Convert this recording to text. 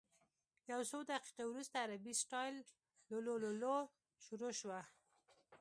یو څو دقیقې وروسته عربي سټایل لللووللوو شروع شوه.